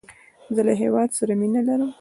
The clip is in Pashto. زه له هیواد سره مینه لرم